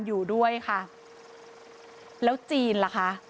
อยู่ด้วยค่ะแล้วจีนล่ะคะ